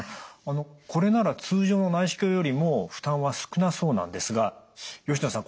これなら通常の内視鏡よりも負担は少なそうなんですが吉野さん